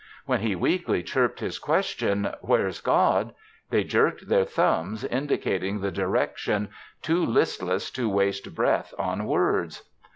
When he weakly chirped his question, "Where's God?" they jerked their thumbs, indicating the direction, too listless to waste breath on words.